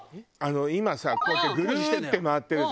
今さこうやってぐるって回ってるじゃん？